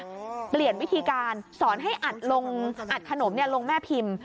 อ่ะเปลี่ยนวิธีการสอนให้อัดขนมลงแม่พิมพ์